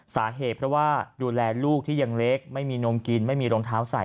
สาเหตุเพราะว่าดูแลลูกที่ยังเล็กไม่มีนมกินไม่มีรองเท้าใส่